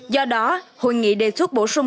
do đó hội nghị đề xuất bổ sung